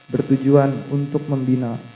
bertujuan untuk membina